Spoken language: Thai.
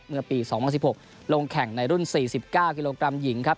เมื่อปี๒๐๑๖ลงแข่งในรุ่น๔๙กิโลกรัมหญิงครับ